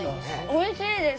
おいしいです